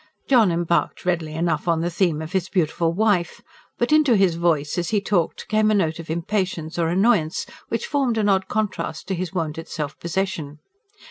John embarked readily enough on the theme of his beautiful wife; but into his voice, as he talked, came a note of impatience or annoyance, which formed an odd contrast to his wonted self possession.